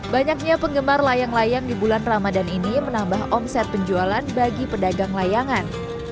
banyaknya penggemar layang layang di bulan ramadan ini menambah omset penjualan bagi pedagang layangan